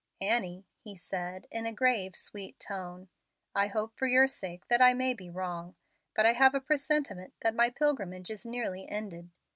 "Annie," he said, in a grave, sweet tone, "I hope for your sake that I may be wrong, but I have a presentiment that my pilgrimage is nearly ended.